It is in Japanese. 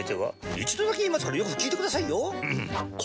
一度だけ言いますからよく聞いてくださいよ。